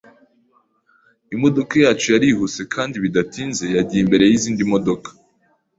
Imodoka yacu yarihuse kandi bidatinze yagiye imbere yizindi modoka.